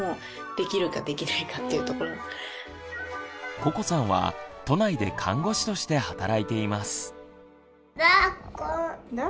ここさんは都内で看護師として働いています。